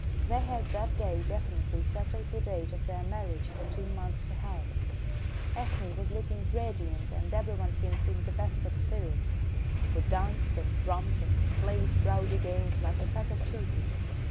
They had that day definitely settled the date of their marriage for two months ahead; Ethne was looking radiant and everyone seemed in the best of spirits. We danced and romped and played rowdy games like a pack of children.